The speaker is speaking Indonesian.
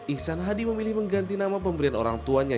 ihsan hadi memilih mengganti nama pemberian orang tuanya